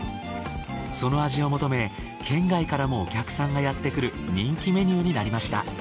その味を求め県外からもお客さんがやってくる人気メニューになりました。